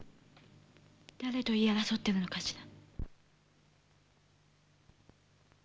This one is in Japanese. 誰と言い争ってるのかしら。